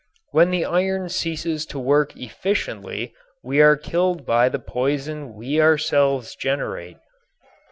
When the iron ceases to work efficiently we are killed by the poison we ourselves generate.